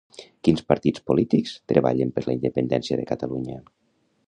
Quins partits polítics treballen per la independència de Catalunya?